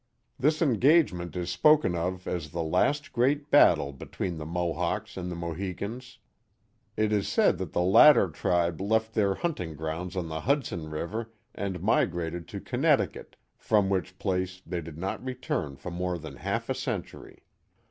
This engagement is spoken of as the last great battle between the Mohawks and the Mohicans. It is said that the latter tribe left their hunting grounds on the Hudson River and migrated to Connecticut, from which place they did not return for more than half a century.